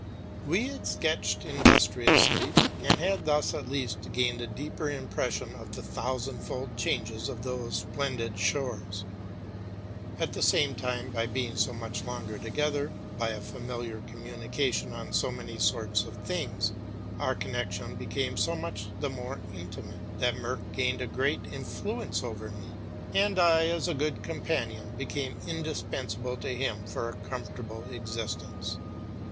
We had sketched industriously, and had thus, at least, gained a deeper impression of the thousand fold changes of those splendid shores. At the same time, by being so much longer together, by a familiar communication on so many sorts of things, our connection became so much the more intimate, that Merck gained a great influence over me; and I, as a good companion, became indispensable to him for a comfortable existence.